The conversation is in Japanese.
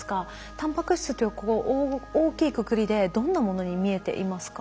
タンパク質という大きいくくりでどんなものに見えていますか？